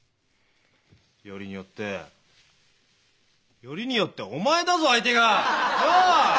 よりによってよりによってお前だぞ相手が。なあ？